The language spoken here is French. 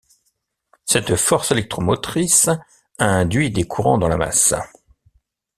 Cette force électromotrice induit des courants dans la masse.